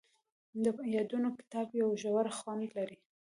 د یادونو کتاب یو ژور خوند لري.